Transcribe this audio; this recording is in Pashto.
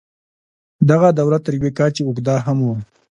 دغه دوره تر یوې کچې اوږده هم وه.